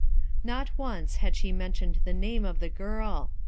Not once had she mentioned the name of the girl.